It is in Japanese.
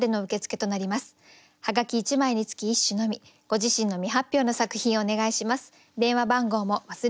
ご自身の未発表の作品をお願いします。